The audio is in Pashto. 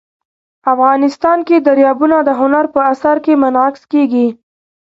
افغانستان کې دریابونه د هنر په اثار کې منعکس کېږي.